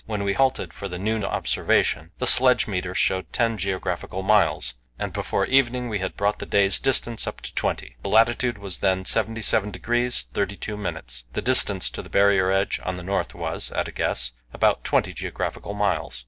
When we halted for the noon observation the sledge meter showed ten geographical miles, and before evening we had brought the day's distance up to twenty. The latitude was then 77° 32'. The distance to the Barrier edge on the north was, at a guess, about twenty geographical miles.